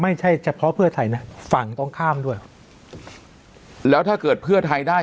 ไม่ใช่เฉพาะเพื่อไทยนะฝั่งตรงข้ามด้วยแล้วถ้าเกิดเพื่อไทยได้